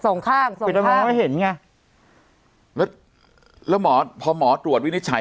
สองข้างส่องปิดตามองไม่เห็นไงแล้วแล้วหมอพอหมอตรวจวินิจฉัย